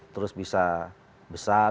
terus bisa besar